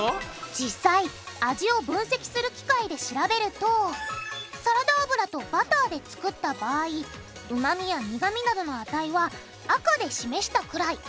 実際味を分析する機械で調べるとサラダ油とバターで作った場合旨味や苦味などの値は赤で示したくらい。